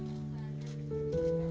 mencoba untuk mencoba